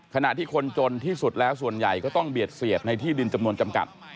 ขณะที่คนจนที่สุดแล้วส่วนใหญ่ก็ต้องเบียดเสียดในที่ดินจำนวนจำกัด